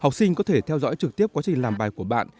học sinh có thể theo dõi trực tiếp quá trình làm bài của bạn